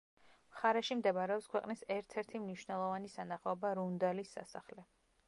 მხარეში მდებარეობს ქვეყნის ერთ-ერთი მნიშვნელოვანი სანახაობა რუნდალის სასახლე.